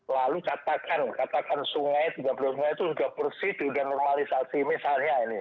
lalu katakan katakan sungai tiga puluh sungai itu sudah bersih sudah normalisasi misalnya ini